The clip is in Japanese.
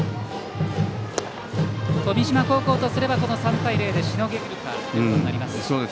富島高校とすれば３対０でしのげるかということになります。